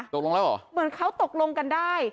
ตกลงแล้วเหรอเหมือนเขาตกลงกันได้